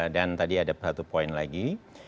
dan tadi ada satu poin lagi